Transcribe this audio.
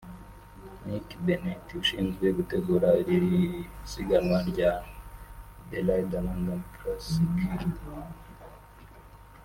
Mick Bennett ushinzwe gutegura iri siganwa rya ‘The Ride London Classic’